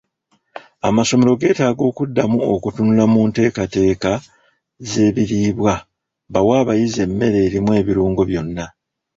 Amasomero geetaaga okuddamu okutunula mu nteekateeza z'ebiriibwa bawe abayizi emmere erimu ebirungo byonna.